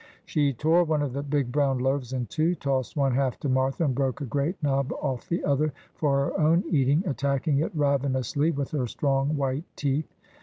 She tore one of the big brown loaves in two, tossed one half to Martha, and broke a great knob o£E the other for her own eating, attacking it ravenously with her strong white teeth.